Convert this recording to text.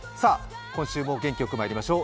今週も元気よくまいりましょう。